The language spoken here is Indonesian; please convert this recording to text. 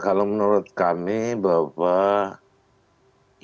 kalau menurut kami bapak